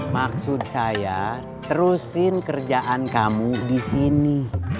maksud saya terusin kerjaan kamu di sini